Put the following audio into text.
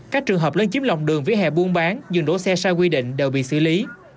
các trường hợp lên chiếm lòng đường với hẹ buôn bán dừng đổ xe sai quy định đều bị xử lý